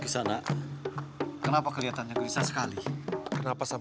jatilan itu terdiri dari kata jaran dan tilap